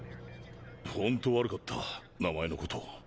ほんと悪かった名前のこと。